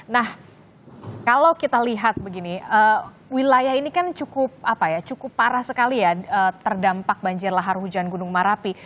nah kalau kita lihat begini wilayah ini kan cukup parah sekali ya terdampak banjir lahar hujan gunung merapi